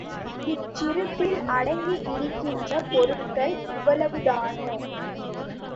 இச்சிரிப்பில் அடங்கியிருக்கின்ற பொருள்கள் இவ்வளவுதானோ?